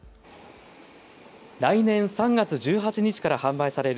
来年３月１８日から販売される